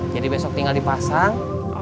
jadi besok tinggal dipasang